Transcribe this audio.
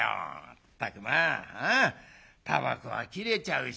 まったくまあタバコは切れちゃうしま